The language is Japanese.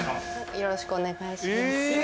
よろしくお願いします。